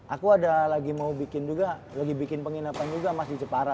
aku ada lagi mau bikin juga lagi bikin penginapan juga mas di cepara